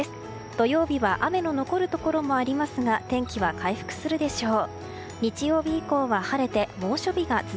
土曜日は雨の残るところもありますが天気は回復するでしょう。